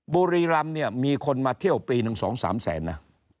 บุรีรำเนี่ยมีคนมาเที่ยวปีหนึ่ง๒๓แสนนะ